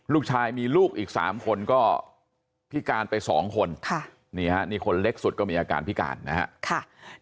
ลูกชายมีลูกอีก๓คนก็พิการไป๒คนนี่ฮะนี่คนเล็กสุดก็มีอาการพิการนะครับ